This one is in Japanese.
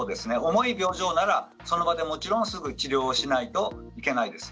重い病状なら、その場でもちろんすぐに治療しないといけないです。